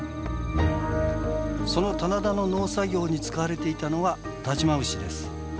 その棚田の農作業に使われていたのが但馬牛です。